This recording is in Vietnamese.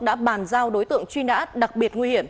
đã bàn giao đối tượng truy nã đặc biệt nguy hiểm